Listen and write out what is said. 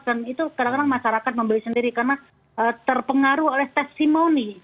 dan itu kadang kadang masyarakat membeli sendiri karena terpengaruh oleh testimoni